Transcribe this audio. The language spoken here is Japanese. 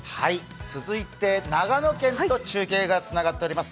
続いて長野県と中継がつながっております。